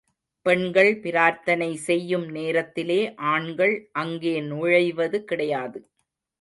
பெண்கள் பிரார்த்தனை செய்யும் நேரத்திலே ஆண்கள் அங்கே நுழைவது கிடையாது.